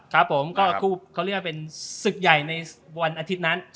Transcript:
ครับผมก็เขาเรียกว่าเป็นศึกใหญ่ในวันอาทิตย์นั้น